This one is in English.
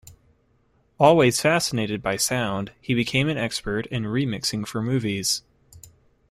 Always fascinated by sound, he became an expert in remixing for movies.